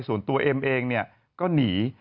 ส่วนตัวเอ็มเองก็หนี